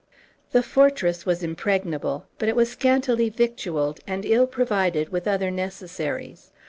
The fortress was impregnable, but it was scantily victualled, and ill provided with other necessaries.